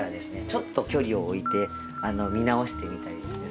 ちょっと距離を置いて見直してみたりですね